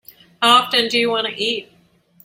How often do you want to eat?